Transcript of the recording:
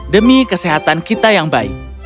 demi kesehatan kita yang baik